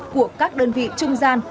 của các đơn vị trung gian